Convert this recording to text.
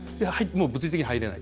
物理的に入れない。